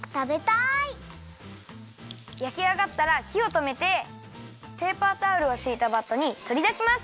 やきあがったらひをとめてペーパータオルをしいたバットにとりだします。